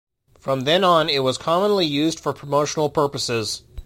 From then on it was commonly used for promotional purposes.